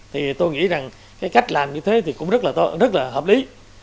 thì tôi nghĩ rằng cách làm như thế cũng rất là hợp lý